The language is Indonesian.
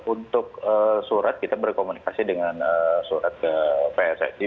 untuk surat kita berkomunikasi dengan surat ke pssi